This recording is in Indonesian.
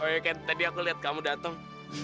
oh iya ken tadi aku liat kamu dateng